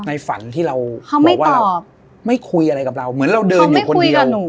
ฝันที่เราบอกว่าไม่คุยอะไรกับเราเหมือนเราเดินอยู่คนเดียว